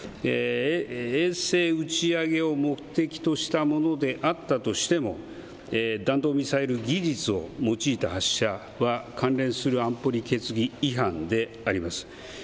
衛星打ち上げを目的としたものであったとしても弾道ミサイル技術を用いた発射は関連する安保理決議違反であります。